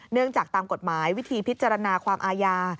จากตามกฎหมายวิธีพิจารณาความอาญา